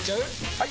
・はい！